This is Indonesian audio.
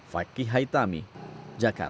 faktornya jika jembatan tersebut tidak menyeberang jalan